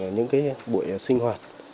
những cái buổi sinh hoạt